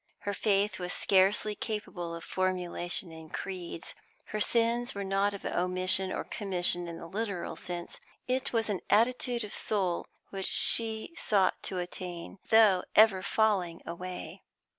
Her faith was scarcely capable of formulation in creeds; her sins were not of omission or commission in the literal sense; it was an attitude of soul which she sought to attain, though ever falling away.